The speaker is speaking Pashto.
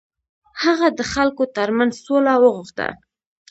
هغه د خلکو تر منځ سوله وغوښته.